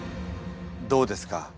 どうですか？